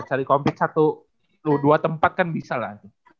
cari komplit satu dua tempat kan bisa lah